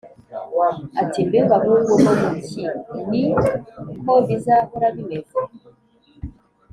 ati mbe bahungu no mu cyi ni ko bizahora bimeze?